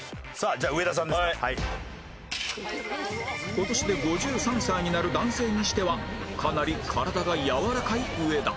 今年で５３歳になる男性にしてはかなり体がやわらかい上田